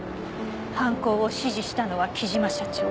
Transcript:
犯行を指示したのは貴島社長。